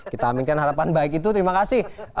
kita aminkan harapan baik itu terima kasih